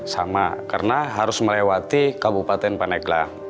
sama karena harus melewati kabupaten paneglang